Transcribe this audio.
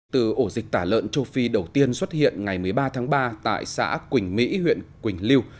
từ ổ dịch tả lợn châu phi đầu tiên xuất hiện ngày một mươi ba tháng ba tại xã quỳnh mỹ huyện quỳnh lưu